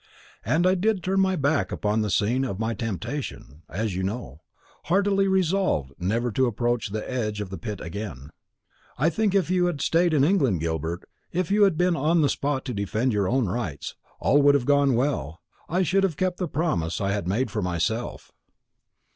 And I did turn my back upon the scene of my temptation, as you know, heartily resolved never to approach the edge of the pit again. I think if you had stayed in England, Gilbert, if you had been on the spot to defend your own rights, all would have gone well, I should have kept the promise I had made for myself."